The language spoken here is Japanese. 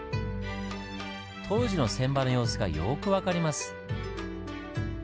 当時の船場の様子がよく分かります。